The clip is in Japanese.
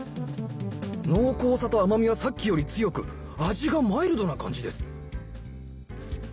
濃厚さと甘みはさっきより強く味がマイルドな感じです